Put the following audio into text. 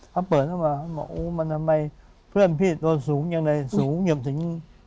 เขาเปิดเข้ามาเขาบอกโอ้มันทำไมเพื่อนพี่ตัวสูงยังไงสูงอย่างถึง